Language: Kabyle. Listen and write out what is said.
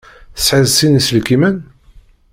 Tesεiḍ sin iselkimen?